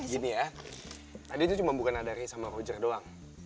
gini ya tadi itu cuma bukan nadari sama roger doang